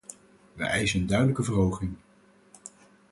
We eisen een duidelijke verhoging.